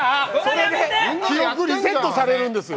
記憶リセットされるんですよ。